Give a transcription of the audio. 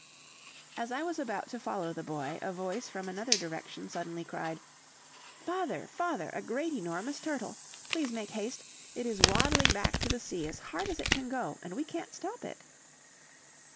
As I was about to follow the boy, a voice from another direction suddenly cried: "Father! father! a great enormous turtle! Please make haste. It is waddling back to the sea as hard as it can go, and we can't stop it."